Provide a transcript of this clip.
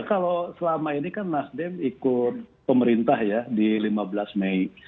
kalau selama ini kan nasdem ikut pemerintah ya di lima belas mei